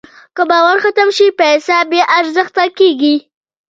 که باور ختم شي، پیسه بېارزښته کېږي.